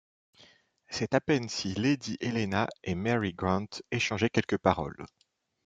C’est à peine si lady Helena et Mary Grant échangeaient quelques paroles.